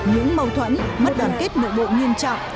những mâu thuẫn mất đoàn kết nội bộ nghiêm trọng